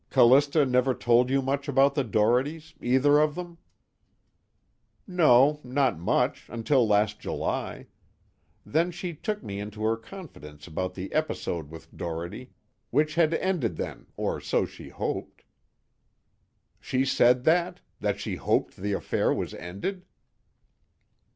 "Callista never told you much about the Dohertys, either of them?" "No, not much, until last July. Then she took me into her confidence about the episode with Doherty, which had ended then, or so she hoped." "She said that? That she hoped the affair was ended?"